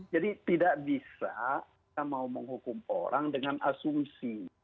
jadi tidak bisa kita mau menghukum orang dengan asumsi